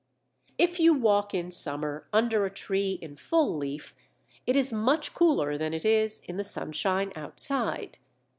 If you walk in summer, under a tree in full leaf, it is much cooler than it is in the sunshine outside.